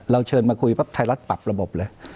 เชิญมาคุยปั๊บไทยรัฐปรับระบบเลย